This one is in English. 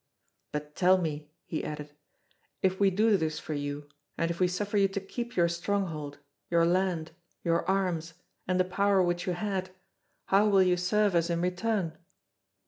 But tell me," he added, "if we do this for you, and if we suffer you to keep your stronghold, your land, your arms, and the power which you had, how will you serve us in return?"